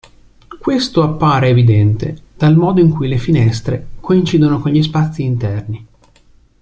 Questo appare evidente dal modo in cui le finestre coincidono con gli spazi interni.